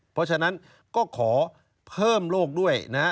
เพราะฉะนั้นก็ขอเพิ่มโลกด้วยนะฮะ